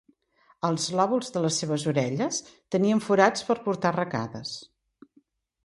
Els lòbuls de les seves orelles tenien forats per portar arracades.